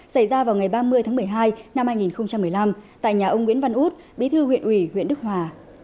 xảy ra vào ngày ba mươi tháng một mươi hai năm hai nghìn một mươi năm tại nhà ông nguyễn văn út bí thư huyện ủy huyện đức hòa